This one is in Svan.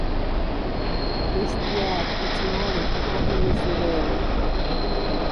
მესტია̄̈ ტკიც მა̄რე მა̈გ ლჷმზჷრე̄ვ ლი!